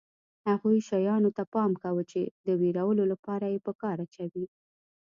هغو شیانو ته پام کوه چې د وېرولو لپاره یې په کار اچوي.